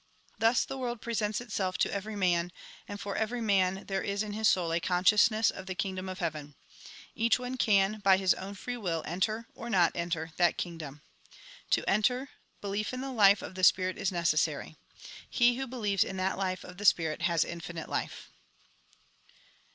Thus the world presents itself to every man ; and for every man there is in his soul a consciousness of the Kingdom of Heaven. Each one can, by his own free will, entei', or not enter, that Kingdom. To enter, belief in the life of the Spirit is necessary. He who believes in that life of the Spirit, has infinite life."